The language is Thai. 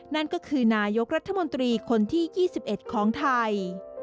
นั่นก็คือนายกรัฐมนตรีคนที่๒๑ของไทย